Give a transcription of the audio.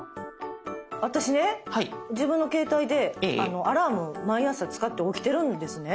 私ね自分の携帯でアラーム毎朝使って起きてるんですね。